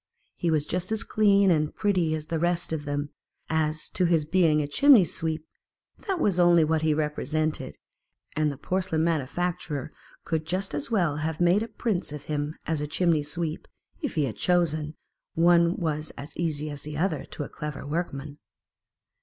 He was just as clean and pretty as the rest of them ; as. to his being a 106 chimney sweep, that was only what he re presented : and the porcelain manufacturer could just as well have made a prince of him as a chimney sweep, if he had chosen ; one was as easy as the other, to a clever workman.